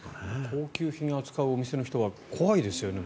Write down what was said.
高級品を扱うお店の人は怖いですよね。